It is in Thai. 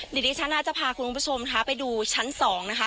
เดี๋ยวดิฉันอาจจะพาคุณผู้ชมนะคะไปดูชั้น๒นะคะ